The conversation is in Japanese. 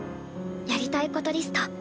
やりたいことリスト。